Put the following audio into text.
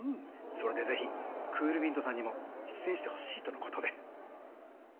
それでぜひクールミントさんにも出演してほしいとのことで。